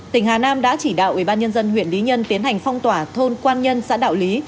tỉnh hà nam đã chỉ đạo ubnd huyện lý nhân tiến hành phong tỏa thôn quan nhân xã đạo lý